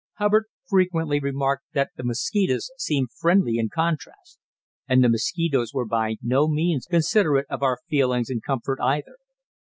Hubbard frequently remarked that the mosquitoes seemed friendly in contrast and the mosquitoes were by no means considerate of our feelings and comfort either.